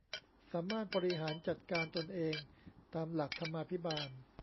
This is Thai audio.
สามารถบริหารจัดการตนเองตามหลักธรรมาภิบาล